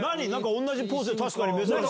同じポーズで確かに珍しい！